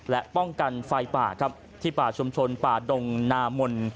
และป้องกันไฟป่าครับที่ป่าชุมชนป่าดงนามน